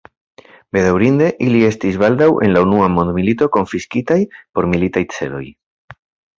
Bedaŭrinde ili estis baldaŭ en la unua mondmilito konfiskitaj por militaj celoj.